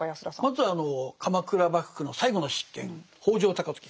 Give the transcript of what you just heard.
まずは鎌倉幕府の最後の執権北条高時。